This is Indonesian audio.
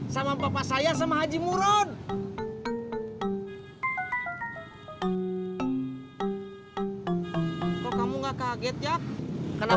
sama bapak saya sama haji muron kok kamu nggak kaget ya kenapa